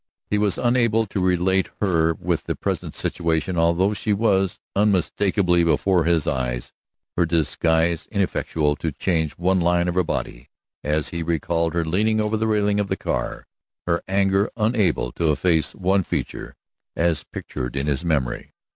He was unable to relate her with the present situation, although she was unmistakably before his eyes, her disguise ineffectual to change one line of her body as he recalled her leaning over the railing of the car, her anger unable to efface one feature as pictured in his memory.